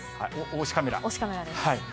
推しカメラです。